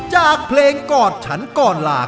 จากเพลงกอดฉันก่อนลา